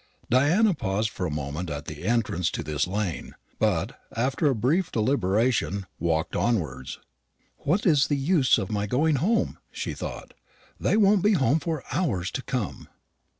Diana paused for a moment at the entrance to this lane, but, after a brief deliberation, walked onwards. "What is the use of my going home?" she thought; "they won't be home for hours to come."